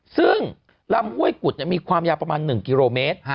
ซึ่งลำห้วยกุดมีความยาวประมาณ๑กิโลเมตร